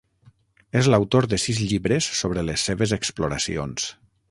És l'autor de sis llibres sobre les seves exploracions.